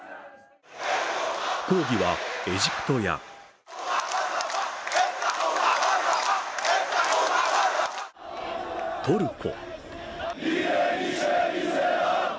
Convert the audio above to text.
抗議はエジプトやトルコ